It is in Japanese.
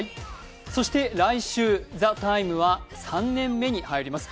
そして来週、「ＴＨＥＴＩＭＥ，」は３年目に入ります。